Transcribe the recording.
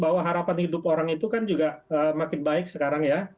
bahwa harapan hidup orang itu kan juga makin baik sekarang ya